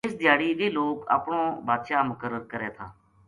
اس دھیاڑی ویہ لوک اپنو بادشاہ مقرر کرے تھا